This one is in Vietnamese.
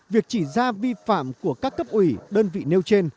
việc chỉ ra vi phạm của các cấp ủy đơn vị nêu trên